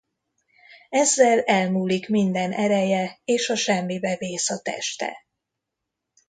Ezzel elmúlik minden ereje és a semmibe vész a teste.